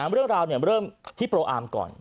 เรื่องราวเริ่มที่โปรอาร์มก่อน